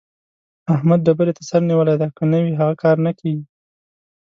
احمد ډبرې ته سر نيولی دی؛ که نه وي هغه کار نه کېږي.